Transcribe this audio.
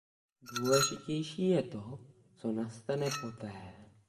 Důležitější je, co nastane poté.